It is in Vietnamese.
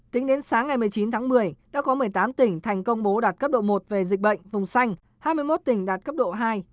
tính đến sáng ngày một mươi chín tháng một mươi đã có một mươi tám tỉnh thành công bố đạt cấp độ một về dịch bệnh vùng xanh hai mươi một tỉnh đạt cấp độ hai